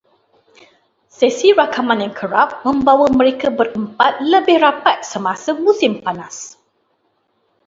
Sesi rakaman yang kerap membawa mereka berempat lebih rapat semasa musim panas